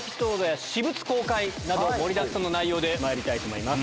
盛りだくさんの内容でまいりたいと思います。